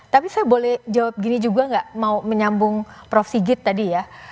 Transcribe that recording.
tapi saya boleh jawab gini juga nggak mau menyambung prof sigit tadi ya